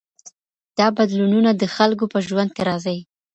دا بدلونونه د خلګو په ژوند کي راځي.